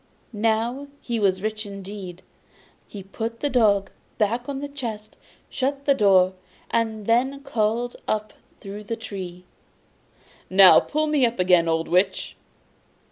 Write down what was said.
Now he was rich indeed. He put the dog back upon the chest, shut the door, and then called up through the tree: 'Now pull me up again, old Witch!